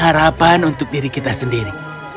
harapan untuk diri kita sendiri